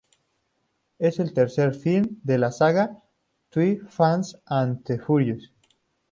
Es el tercer film de la saga "The Fast and the Furious".